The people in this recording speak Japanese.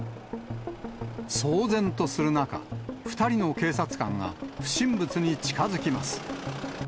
騒然とする中、２人の警察官が不審物に近づきます。